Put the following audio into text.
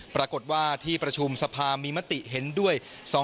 ปรากฏว่าที่ประชุมสภามีมติเห็นด้วย